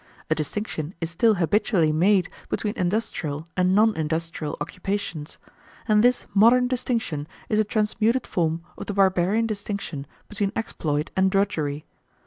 A distinction is still habitually made between industrial and non industrial occupations; and this modern distinction is a transmuted form of the barbarian distinction between exploit and drudgery.